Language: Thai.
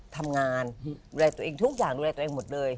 ทำงานดูแลตัวเองทุกอย่างดูแลตัวเองหมดเลย